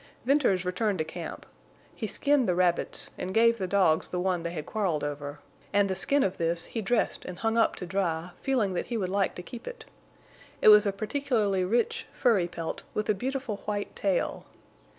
Venters returned to camp. He skinned the rabbits, and gave the dogs the one they had quarreled over, and the skin of this he dressed and hung up to dry, feeling that he would like to keep it. It was a particularly rich, furry pelt with a beautiful white tail.